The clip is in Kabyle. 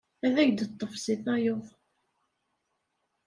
Ad ak-d-teṭṭef seg tayeḍ.